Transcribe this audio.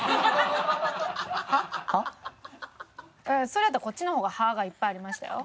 それやったらこっちの方が「は？」がいっぱいありましたよ。